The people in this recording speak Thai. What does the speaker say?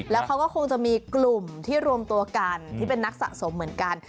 แล้วเขาก็คงจะมีกลุ่มที่รวมตัวกันที่เป็นนักสะสมเหมือนกัน